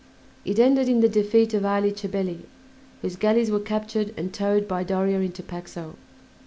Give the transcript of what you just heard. It ended in the defeat of Ali Chabelli, whose galleys were captured and towed by Doria into Paxo.